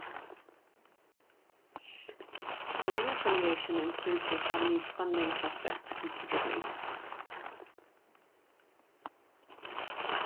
The new affiliation improved the Academy's funding prospects considerably.